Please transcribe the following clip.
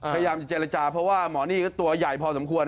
พยายามจะเจรจาเพราะว่าหมอนี่ก็ตัวใหญ่พอสมควร